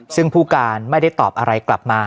ซึ่งผู้การไม่ได้ตอบอะไรกลับมา